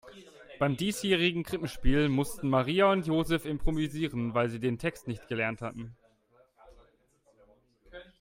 Beim diesjährigen Krippenspiel mussten Maria und Joseph improvisieren, weil sie den Text nicht gelernt hatten.